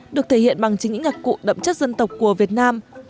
được thể hiện bằng chính những nhạc cụ đậm chất dân tộc của việt nam